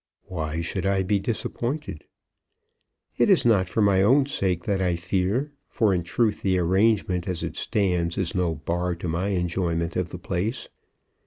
"Why should I be disappointed?" "It is not for my own sake that I fear, for in truth the arrangement, as it stands, is no bar to my enjoyment of the place."